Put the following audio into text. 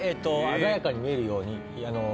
鮮やかに見えるように。